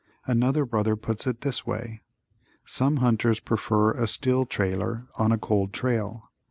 Another brother puts it this way: Some hunters prefer a still trailer on a cold trail.